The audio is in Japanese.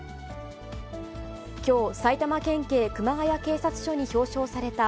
きょう、埼玉県警熊谷警察署に表彰された、